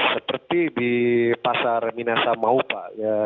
seperti di pasar minasamauka